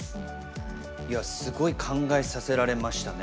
いやすごい考えさせられましたね。